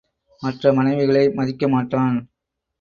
மற்ற மனைவிகளை மதிக்க மாட்டான்.